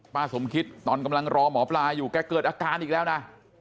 สมคิดตอนกำลังรอหมอปลาอยู่แกเกิดอาการอีกแล้วนะ